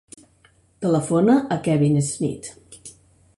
Telefona al Kevin Smith.